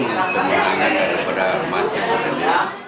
dan kemenangan daripada masyarakat